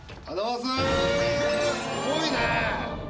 すごいね。